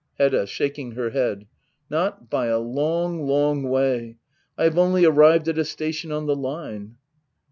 Hedda. [Shaking her head.] Not by a long — ^long way. I have only arrived at a station on the line.